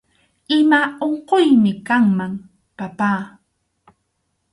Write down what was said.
Ima unquymi kanman, papá